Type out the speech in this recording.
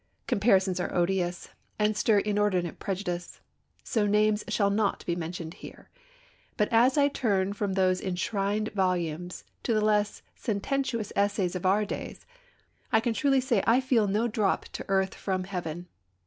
Comparisons are odious, and stir inordinate prejudice; so names shall not be mentioned here, but as I turn from those enshrined volumes to the less sententious essays of our day, I can truly say I feel no drop to earth from heaven.